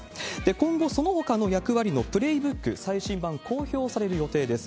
今後、そのほかの役割のプレーブック最新版、公表される予定です。